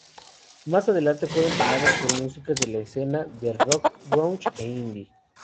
Más adelante fueron tomadas por músicos de la escena de rock Grunge e Indie.